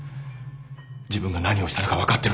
自分が何をしたのか分かってるのか？